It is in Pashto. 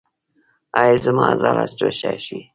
ایا زما عضلات به ښه شي؟